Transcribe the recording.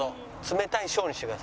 冷たい小。